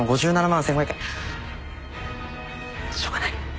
しょうがない。